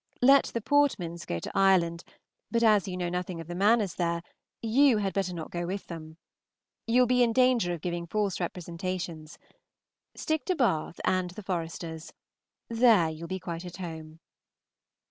Let the Portmans go to Ireland; but as you know nothing of the manners there, you had better not go with them. You will be in danger of giving false representations. Stick to Bath and the Foresters. There you will be quite at home.